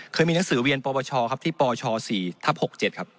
เคยมีหนังสือเวียนปปชครับที่ปช๔ทับ๖๗ครับ